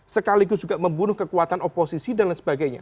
sekaligus juga membunuh kekuatan oposisi dan lain sebagainya